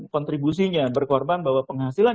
kontribusinya berkorban bahwa penghasilan